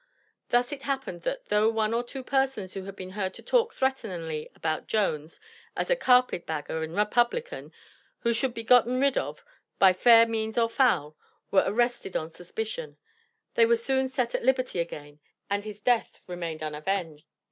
Thus it happened that though one or two persons who had been heard to talk threateningly about Jones, as "a carpet agger and Republican, who should be gotten rid of, by fair means or foul," were arrested on suspicion, they were soon set at liberty again, and his death remained unavenged.